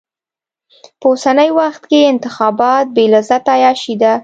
په اوسني وخت کې انتخابات بې لذته عياشي ده.